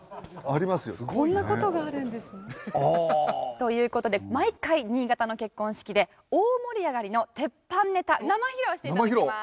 こんな事があるんですね。という事で毎回新潟の結婚式で大盛り上がりの鉄板ネタ生披露して頂きます。